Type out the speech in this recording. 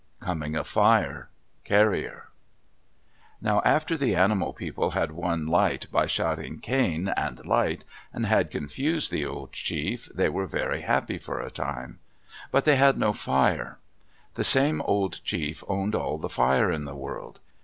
COMING OF FIRE Carrier Now after the animal people had won light by shouting "Khain," and "light," and had confused the old chief, they were very happy for a time. But they had no fire. The same old chief owned all the fire in the world.